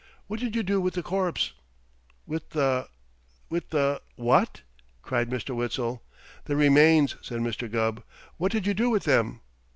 What did you do with the corpse?" "With the with the what?" cried Mr. Witzel. "The remains," said Mr. Gubb. "What did you do with them?"